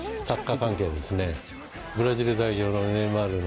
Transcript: ブラジルの代表のネイマールの。